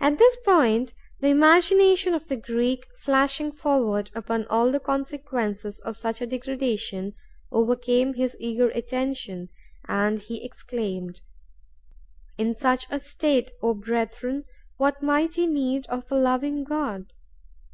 At this point, the imagination of the Greek, flashing forward upon all the consequences of such a degradation, overcame his eager attention, and he exclaimed, "In such a state, O brethren, what mighty need of a loving God!"